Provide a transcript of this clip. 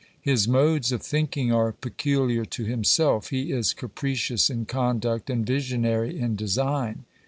His modes of thinking are peculiar to himself; he is capricious in conduct, and visionary in design.